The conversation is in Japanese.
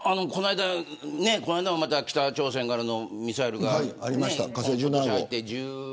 この間も北朝鮮からのミサイルがありました。